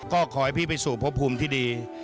ก็ขอให้พี่ไปสู่พบภูมิที่ดี